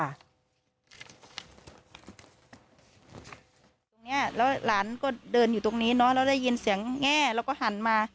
ตรงนี้แล้วหลานก็เดินอยู่ตรงนี้เนอะแล้วได้ยินเสียงแง่แล้วก็หันมา